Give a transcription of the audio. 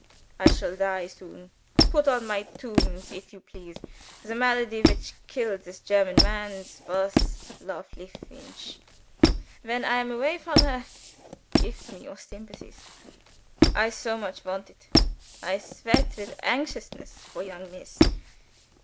I shall die soon. Put on my tombs, if you please, The malady which killed this German mans was Lofely Feench. When I am away from her gif me your sympathies: I so much want it I sweat with anxiousness for young Miss.